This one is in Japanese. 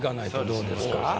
どうですか？